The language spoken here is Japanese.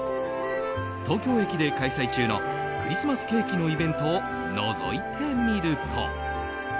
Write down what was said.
東京駅で開催中のクリスマスケーキのイベントをのぞいてみると。